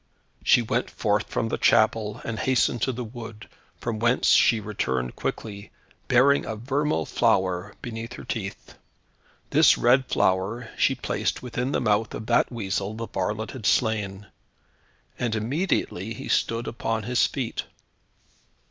She went forth from the chapel, and hastened to the wood, from whence she returned quickly, bearing a vermeil flower beneath her teeth. This red flower she placed within the mouth of that weasel the varlet had slain, and immediately he stood upon his feet.